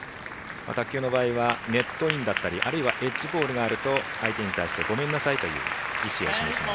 卓球の場合はネットインだったりあるいはエッジボールがあると相手に対して「ごめんなさい」という意思を示します。